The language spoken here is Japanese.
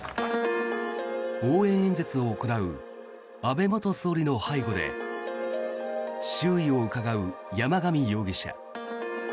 応援演説を行う安倍元総理の背後で周囲をうかがう山上容疑者。